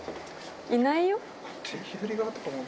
いないよ？